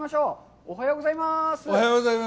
おはようございます。